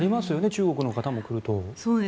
中国の方も来ると。